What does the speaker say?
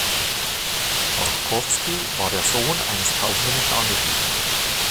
Borkowski war der Sohn eines kaufmännischen Angestellten.